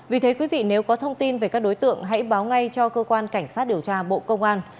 vì thế quý vị nếu có thông tin về các đối tượng hãy báo ngay cho cơ quan cảnh sát điều tra bộ công an